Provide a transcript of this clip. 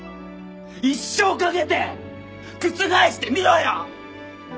一生かけて覆してみろよ！